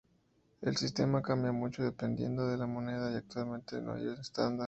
El sistema cambia mucho dependiendo de la moneda y actualmente no hay un estándar.